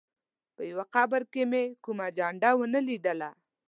پر یوه قبر مې هم کومه جنډه ونه لیدله.